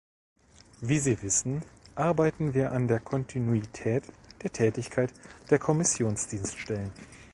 Wie Sie wissen, arbeiten wir an der Kontinuität der Tätigkeit der Kommissionsdienststellen.